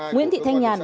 nguyễn thị thanh nhàn